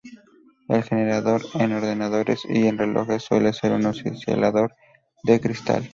El generador en ordenadores y en relojes suele ser un oscilador de cristal.